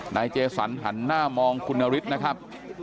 นายเจสันหันหน้ามองคุณนฤทธิ์นะครับ